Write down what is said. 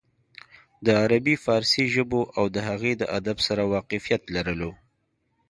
د عربي فارسي ژبو او د هغې د ادب سره واقفيت لرلو